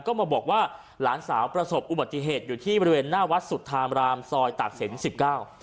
ก็มาบอกว่าหลานสาวประสบอุบัติเหตุอยู่ที่บริเวณหน้าวัดสุธามรามซอยตากศิลป์สิบเก้า